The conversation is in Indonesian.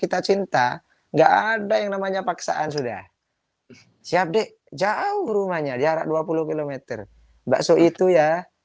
kita cinta enggak ada yang namanya paksaan sudah siap dik jauh rumahnya diarak dua puluh km bakso itu ya